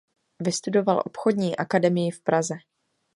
Vystudoval obchodní akademii v Praze.